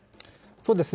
そうですね。